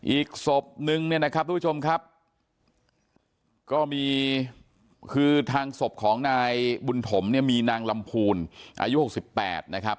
อีกศพนึงเนี่ยนะครับทุกผู้ชมครับก็มีคือทางศพของนายบุญถมเนี่ยมีนางลำพูนอายุ๖๘นะครับ